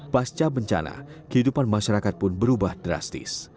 pasca bencana kehidupan masyarakat pun berubah drastis